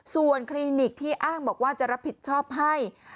ส่วนคลินิกที่อ้างบอกว่าจะรับผิดชอบให้